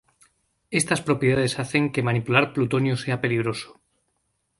Estas propiedades hacen que manipular plutonio sea peligroso.